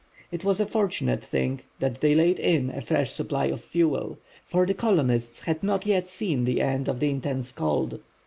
It was a fortunate thing that they laid in a fresh supply of fuel, for the colonists had not yet seen the end of the intense cold.